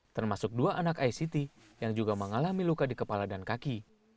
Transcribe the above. termasuk dua anak aisiti yang juga mengalami luka di kepala dan kaki